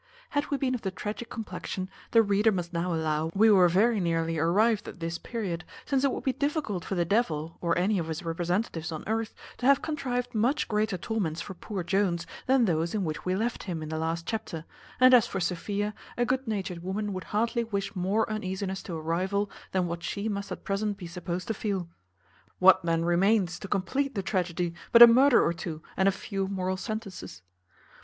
Had we been of the tragic complexion, the reader must now allow we were very nearly arrived at this period, since it would be difficult for the devil, or any of his representatives on earth, to have contrived much greater torments for poor Jones than those in which we left him in the last chapter; and as for Sophia, a good natured woman would hardly wish more uneasiness to a rival than what she must at present be supposed to feel. What then remains to complete the tragedy but a murder or two and a few moral sentences!